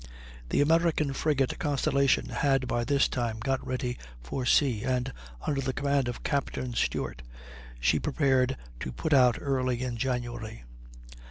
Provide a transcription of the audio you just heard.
The American frigate Constellation had by this time got ready for sea, and, under the command of Captain Stewart, she prepared to put out early in January.